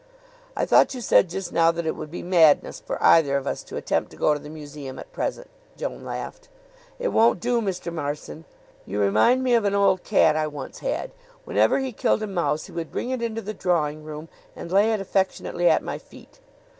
"I thought you said just now that it would be madness for either of us to attempt to go to the museum at present." Joan laughed. "It won't do, Mr. Marson. You remind me of an old cat I once had. Whenever he killed a mouse he would bring it into the drawing room and lay it affectionately at my feet.